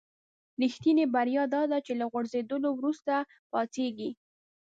رښتینې بریا داده چې له غورځېدلو وروسته پاڅېږئ.